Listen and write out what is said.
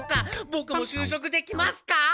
ボクも就職できますか？